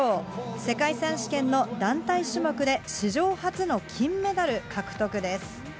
世界選手権の団体種目で史上初の金メダル獲得です。